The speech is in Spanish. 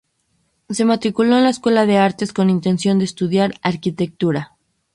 Se matriculó en la Escuela de Artes con intención de estudiar arquitectura.